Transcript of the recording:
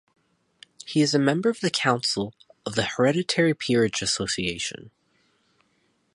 He is a member of the Council of the Hereditary Peerage Association.